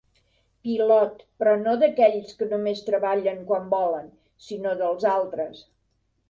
Pilot, però no d'aquells que només treballen quan volen, sinó dels altres.